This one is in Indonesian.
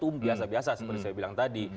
hukum biasa biasa seperti saya bilang tadi